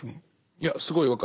いやすごい分かります。